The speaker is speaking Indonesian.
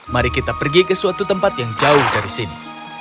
mari kita pergi ke suatu tempat yang jauh dari sini